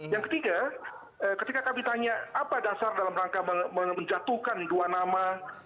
yang ketiga ketika kami tanya apa dasar dalam rangka menjatuhkan dua nama